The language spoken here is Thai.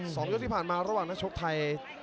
ยกที่ผ่านมาระหว่างนักชกไทย